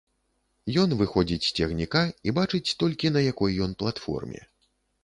Ён выходзіць з цягніка і бачыць толькі, на якой ён платформе.